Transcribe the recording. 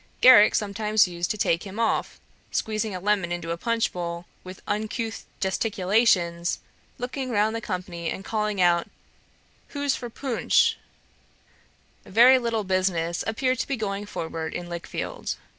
Garrick sometimes used to take him off, squeezing a lemon into a punch bowl, with uncouth gesticulations, looking round the company, and calling out, 'Who's for poonsh?' Very little business appeared to be going forward in Lichfield.